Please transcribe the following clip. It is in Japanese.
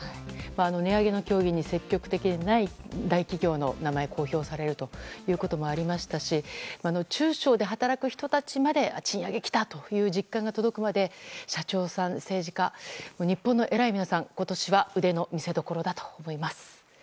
値上げの協議に積極的でない大企業の名前が公表されるということもありましたし中小で働く人たちまで賃上げがきたという実感が届くまで社長さん、政治家日本の偉い皆さん今年は腕の見せどころだと思います。